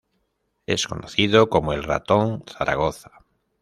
Es conocido como "El Ratón" Zaragoza.